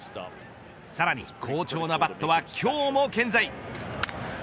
さらに好調なバットは今日も健在。